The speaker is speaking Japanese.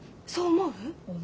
思う。